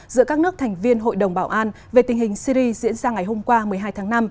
giữa các nước thành viên hội đồng bảo an về tình hình syri diễn ra ngày hôm qua một mươi hai tháng năm